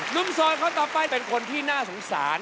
นุ่มโสดเขาต่อไปเป็นคนที่น่าสงสาร